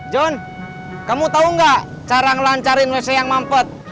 john kamu tau gak cara ngelancarin wc yang mampet